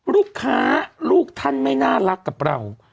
ลูกค้าลูกท่านไม่น่ารักกับเรา